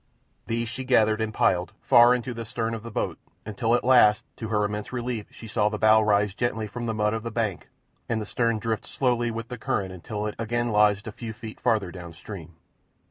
These she gathered and piled far in the stern of the boat, until at last, to her immense relief, she saw the bow rise gently from the mud of the bank and the stern drift slowly with the current until it again lodged a few feet farther down stream.